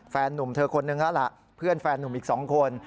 นุ่มเธอคนนึงแล้วล่ะเพื่อนแฟนนุ่มอีก๒คน